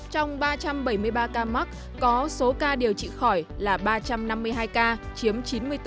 trong ba trăm bảy mươi ba ca mắc có số ca điều trị khỏi là ba trăm năm mươi hai ca chiếm chín mươi bốn